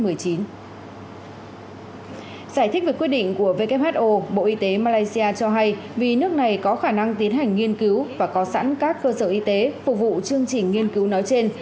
giải thích về quyết định của who bộ y tế malaysia cho hay vì nước này có khả năng tiến hành nghiên cứu và có sẵn các cơ sở y tế phục vụ chương trình nghiên cứu nói trên